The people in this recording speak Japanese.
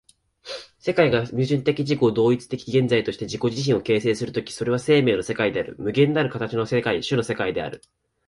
世界が矛盾的自己同一的現在として自己自身を形成する時、それは生命の世界である、無限なる形の世界、種の世界である。